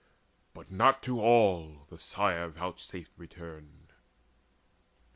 But not to all the Sire vouchsafed return.